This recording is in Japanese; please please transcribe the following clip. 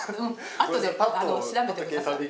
あとで調べてください。